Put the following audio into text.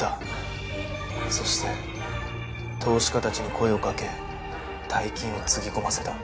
そして投資家たちに声をかけ大金をつぎ込ませた。